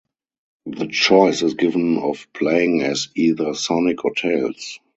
The choice is given of playing as either Sonic or Tails.